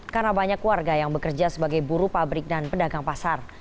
karena banyak keluarga yang bekerja sebagai buru pabrik dan pedagang pasar